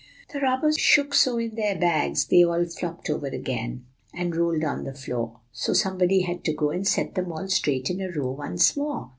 "The robbers shook so in their bags they all flopped over again, and rolled on the floor. So somebody had to go and set them all straight in a row once more.